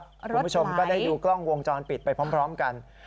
คุณผู้ชมก็ได้ดูกล้องวงจรปิดไปพร้อมกัน